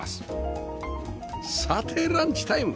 さてランチタイム